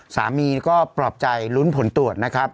สามีก็ปลอบใจลุ้นผลตรวจนะครับ